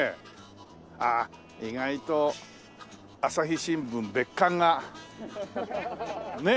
あっ意外と朝日新聞別館がねえ。